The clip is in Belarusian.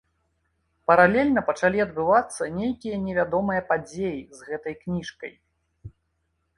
Паралельна пачалі адбывацца нейкія невядомыя падзеі з гэтай кніжкай.